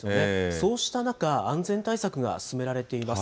そうした中、安全対策が進められています。